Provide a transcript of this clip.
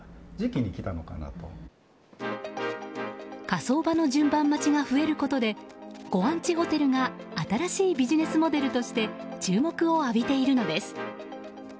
火葬場の順番待ちが増えることでご安置ホテルが新しいビジネスモデルとして注目を浴びているのです。